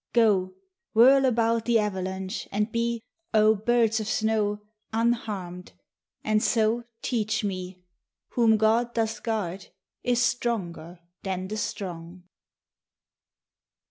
Go, whirl about the avalanche, and be, O birds of snow, unharmed, and so teach me: Whom God doth guard is stronger than the strong.